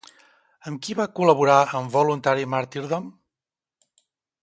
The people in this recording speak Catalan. Amb qui va col·laborar en Voluntary Martyrdom?